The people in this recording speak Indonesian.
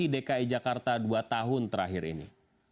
termasuk mengkritisi dki jakarta dua tahun terakhir ini